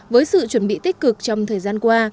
với sự chuẩn bị tích cực trong thời gian qua